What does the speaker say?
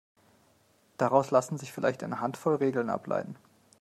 Daraus lassen sich vielleicht eine Handvoll Regeln ableiten.